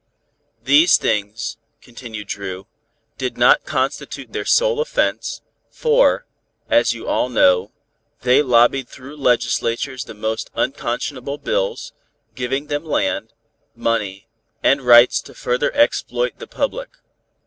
"These things," continued Dru, "did not constitute their sole offense, for, as you all know, they lobbied through legislatures the most unconscionable bills, giving them land, money and rights to further exploit the public.